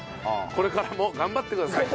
これからも頑張ってください。